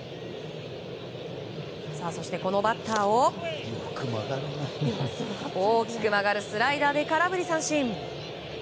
そしてこのバッターを大きく曲がるスライダーで空振り三振。